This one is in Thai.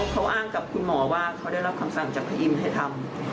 เขาอ้างกับคุณหมอว่าเขาได้รับคำสั่งจากพยิมให้ทำ